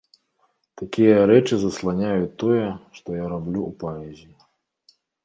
Такія рэчы засланяюць тое, што я раблю ў паэзіі.